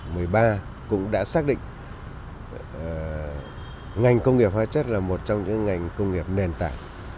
năm hai nghìn một mươi ba cũng đã xác định ngành công nghiệp hóa chất là một trong những ngành công nghiệp nền tảng